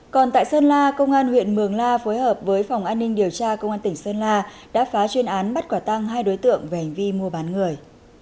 còn tại sơn la công an huyện mường la phối hợp với phòng an ninh điều tra công an tỉnh sơn la đã phá chuyên án bắt quả tăng hai đối tượng về hành vi mua bán người